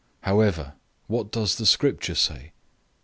004:030 However what does the Scripture say?